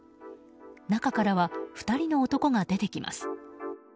中からは２人の男が出てきます。